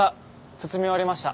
包み終わりました。